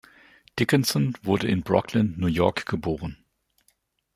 Dickinson wurde in Brooklyn, New York geboren.